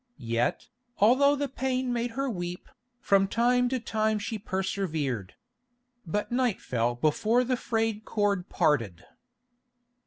Yet, although the pain made her weep, from time to time she persevered. But night fell before the frayed cord parted.